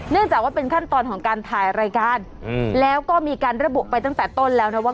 จากว่าเป็นขั้นตอนของการถ่ายรายการแล้วก็มีการระบุไปตั้งแต่ต้นแล้วนะว่า